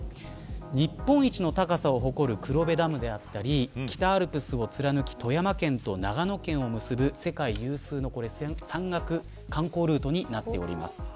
日本一の高さを誇る黒部ダムであったり北アルプスを貫き富山県と長野県を結ぶ世界有数の山岳観光ルートになっています。